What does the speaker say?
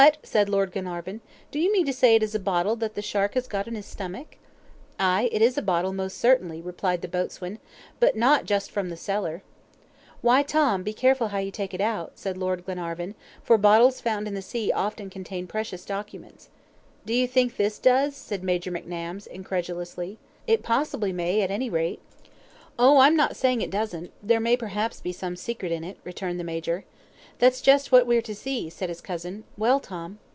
said Lord Glenarvan. "Do you mean to say it is a bottle that the shark has got in his stomach." "Ay, it is a bottle, most certainly," replied the boatswain, "but not just from the cellar." "Well, Tom, be careful how you take it out," said Lord Glenarvan, "for bottles found in the sea often contain precious documents." "Do you think this does?" said Major McNabbs, incredulously. "It possibly may, at any rate." "Oh! I'm not saying it doesn't. There may perhaps be some secret in it," returned the Major. "That's just what we're to see," said his cousin. "Well, Tom."